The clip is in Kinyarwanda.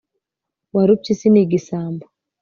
warupyisi ni igisambo